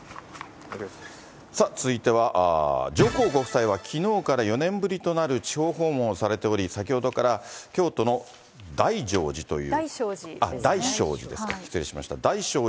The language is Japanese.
さあ、続いては、上皇ご夫妻はきのうから４年ぶりとなる地方訪問をされており、先ほどから京都のだいじょう寺という。